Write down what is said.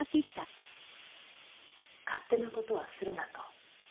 勝手なことはするなと。